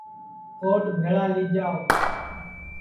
کوٹ بھیݪا لی جاو